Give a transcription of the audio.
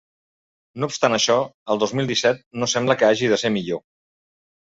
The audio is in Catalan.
No obstant això, el dos mil disset no sembla que hagi de ser millor.